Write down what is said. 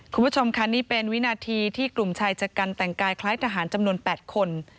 คุณผู้ชมค่ะนี่เป็นวินาทีที่กลุ่มชายชะกันแต่งกายคล้ายทหารจำนวน๘คน